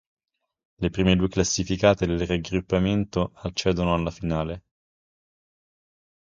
Le prime due classificate del raggruppamento accedono alla finale.